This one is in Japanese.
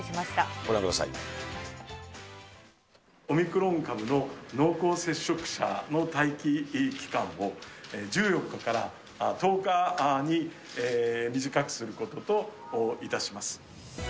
オミクロン株の濃厚接触者の待機期間を、１４日から１０日に短くすることといたします。